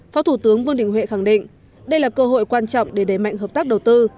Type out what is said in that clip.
phó thủ tướng vương đình huệ khẳng định đây là cơ hội quan trọng để đẩy mạnh hợp tác đầu tư